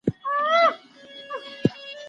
د خصوصي سکتور هڅي باید وستایل سي.